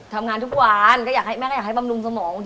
ทำงานทุกวันแม่ก็อยากให้บำรุงสมอง